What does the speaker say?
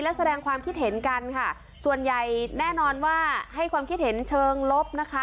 และแสดงความคิดเห็นกันค่ะส่วนใหญ่แน่นอนว่าให้ความคิดเห็นเชิงลบนะคะ